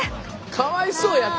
かわいそうやて！